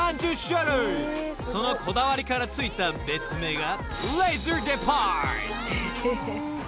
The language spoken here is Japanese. ［そのこだわりから付いた別名が］